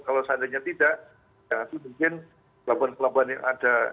kalau seandainya tidak ya itu mungkin pelabuhan pelabuhan yang ada